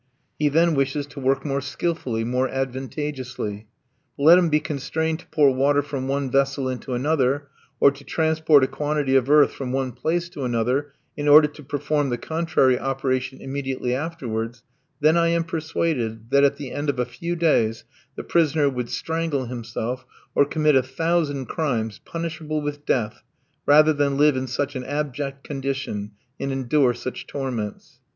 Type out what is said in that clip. He then wishes to work more skilfully, more advantageously. But let him be constrained to pour water from one vessel into another, or to transport a quantity of earth from one place to another, in order to perform the contrary operation immediately afterwards, then I am persuaded that at the end of a few days the prisoner would strangle himself or commit a thousand crimes, punishable with death, rather than live in such an abject condition and endure such torments.